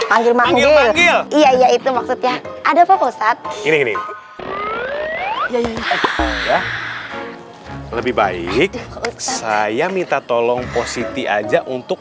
manggil manggil iya itu maksudnya ada posat ini lebih baik saya minta tolong positi aja untuk